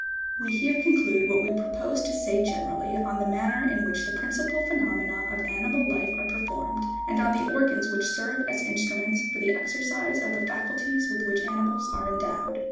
We here conclude what we proposed to say generally, on the manner in which the principal phenomena of animal life are per formed, and on the organs which serve as instruments for the exereise of the faculties with which animals are endowed.